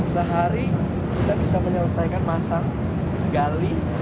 sehari kita bisa menyelesaikan masa gali